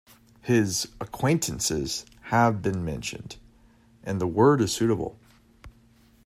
His "acquaintances" have been mentioned, and the word is suitable.